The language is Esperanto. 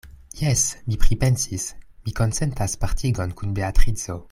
Jes, mi pripensis: mi konsentas partigon kun Beatrico.